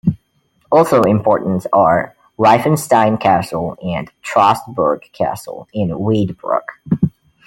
Also important are "Reifenstein Castle" and "Trostburg" Castle in Waidbruck.